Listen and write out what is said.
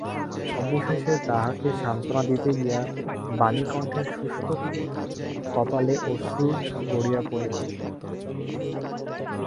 অবশেষে তাহাকে সান্ত্বনা দিতে গিয়া বাণীকণ্ঠের শুষ্ক কপোলে অশ্রু গড়াইয়া পড়িল।